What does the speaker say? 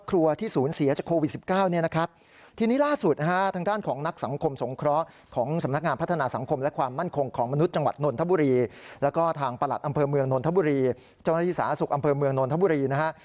แล้วก็ทางประหลัดอำเภอเมืองนนทบุรีเจ้าหน้าที่สาธารณสุขอำเภอเมืองนนทบุรีนะฮะ